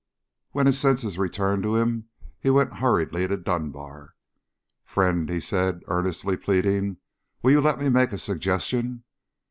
When his senses returned to him, he went hurriedly to Dunbar. "Friend," he said, earnestly pleading, "will you let me make a suggestion?"